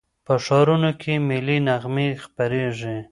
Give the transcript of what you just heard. په ښارونو کې ملي نغمې خپرېدې.